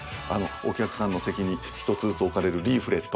お客さんの席に１つずつ置かれるリーフレット。